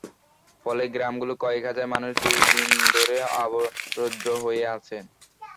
ফলে গ্রামগুলোর কয়েক হাজার মানুষ দুই দিন ধরে অবরুদ্ধ হয়ে আছেন।